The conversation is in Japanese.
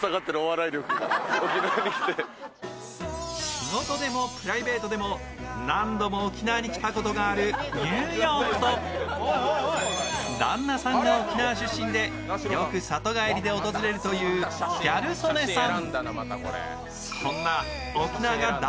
仕事でもプライベートでも何度も沖縄に来たことがあるニューヨークと旦那さんが沖縄出身でよく里帰りで訪れるというギャル曽根さん。